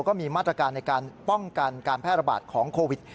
ก็มีมาตรการในการป้องกันการแพร่ระบาดของโควิด